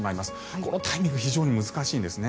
このタイミング非常に難しいんですね。